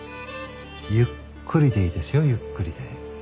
ゆっくりでいいですよゆっくりで。